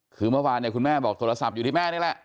คือเมื่อวานเนี่ยคุณแม่บอกโทรศัพท์อยู่ที่แม่นี่แหละ